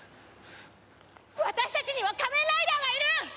私たちには仮面ライダーがいる！